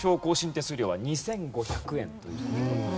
手数料は２５００円という事で。